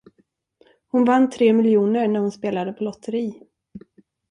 Hon vann tre miljoner när hon spelade på lotteri.